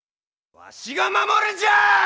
わしが守るんじゃあ！